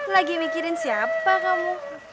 lagi mikirin siapa kamu